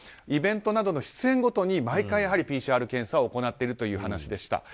イベントなどの出演ごとに毎回ＰＣＲ検査を行っているという話。